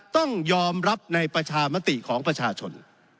ต้องยอมรับในประชามติของประชาชน